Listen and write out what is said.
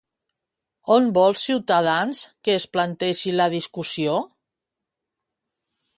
On vol Ciutadans que es plantegi la discussió?